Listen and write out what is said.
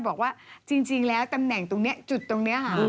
บอกว่าจริงแล้วตำแหน่งตรงนี้จุดตรงนี้ค่ะ